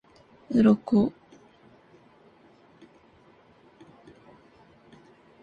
鱗